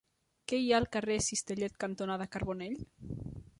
Què hi ha al carrer Cistellet cantonada Carbonell?